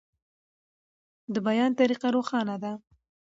د بیان طریقه روښانه ده.